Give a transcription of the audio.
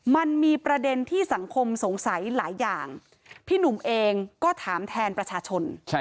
มันมีประเด็นที่สังคมสงสัยหลายอย่างพี่หนุ่มเองก็ถามแทนประชาชน